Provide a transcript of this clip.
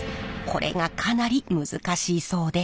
これがかなり難しいそうで。